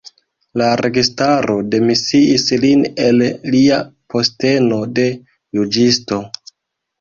La registaro demisiis lin el lia posteno de juĝisto.